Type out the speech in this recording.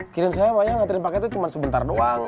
kirin saya emangnya ngantriin paketnya cuma sebentar doang